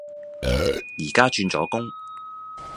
而家轉咗工